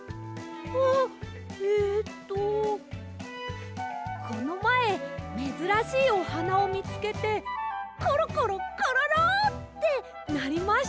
あえっとこのまえめずらしいおはなをみつけてコロコロコロロ！ってなりました。